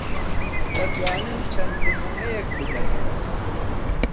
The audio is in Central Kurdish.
دەتوانن چەند نموونەیەک بدەن؟